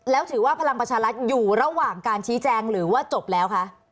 แล้วถือว่าพลังประชารัฐอยู่ระหว่างการชี้แจงหรือว่าจบแล้วคะ